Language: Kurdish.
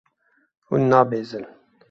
Hûn nabezin.